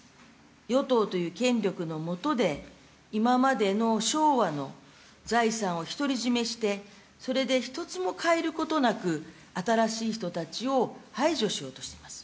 与党という権力の下で、今までの昭和の財産を独り占めして、それで一つも変えることなく、新しい人たちを排除しようとしています。